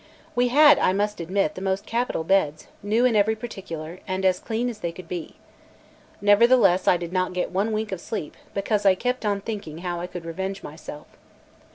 We had, I must admit, the most capital beds, new in every particular, and as clean as they could be. Nevertheless I did not get one wink of sleep, because I kept on thinking how I could revenge myself.